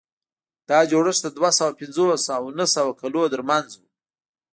دا جوړښت د دوه سوه پنځوس او نهه سوه کلونو ترمنځ و.